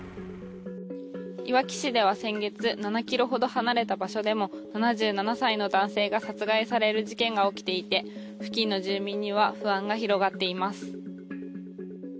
いわき市では先月７ｋｍほど離れた場所でも７７歳の男性が殺害される事件が起きていて付近の住民には不安が広がっています。